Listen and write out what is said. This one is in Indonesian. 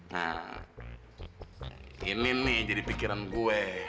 nah ini nih jadi pikiran gue